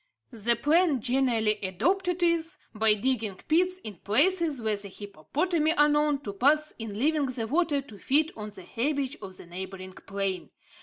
The plan generally adopted is, by digging pits in places where the hippopotami are known to pass in leaving the water to feed on the herbage of the neighbouring plain.